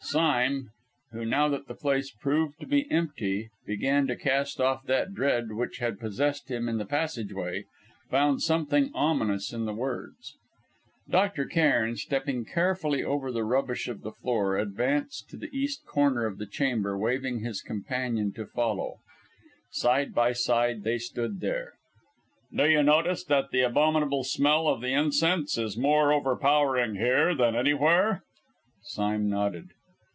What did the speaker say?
Sime, who, now that the place proved to be empty, began to cast off that dread which had possessed him in the passage way, found something ominous in the words. Dr. Cairn, stepping carefully over the rubbish of the floor, advanced to the east corner of the chamber, waving his companion to follow. Side by side they stood there. "Do you notice that the abominable smell of the incense is more overpowering here than anywhere?" Sime nodded.